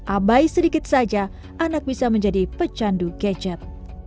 abai sedikit saja anak bisa menjadi pecandu gadget